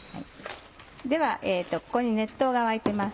ではここに熱湯が沸いてます。